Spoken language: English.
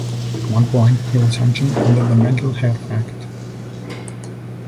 At one point he was sectioned under the Mental Health Act.